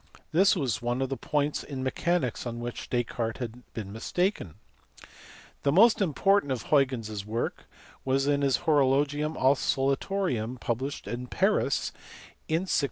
This was one of the points in mechanics on which Descartes had been mistaken. The most important of Huygens s work was his Horolo gium Oscillatorium published at Paris in 1673.